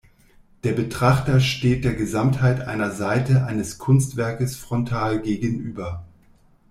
Der Betrachter steht der Gesamtheit einer Seite eines Kunstwerkes frontal gegenüber.